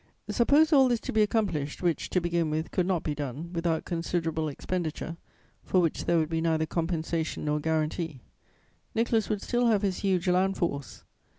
"Suppose all this to be accomplished (which, to begin with, could not be done without considerable expenditure, for which there would be neither compensation nor guarantee), Nicholas would still have his huge land force.